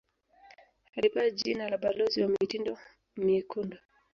Alipewa jina la balozi wa mitindo myekundu